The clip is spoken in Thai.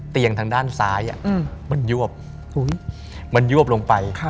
เตียงทางด้านซ้ายมันโยบมันโยบลงไป